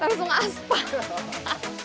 kalau yang ngelihat ya ke bawah langsung aspa